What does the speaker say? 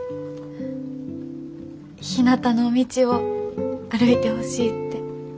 ひなたの道を歩いてほしいって。